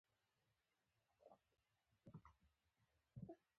سوالګر ته د خدای نوم قوت دی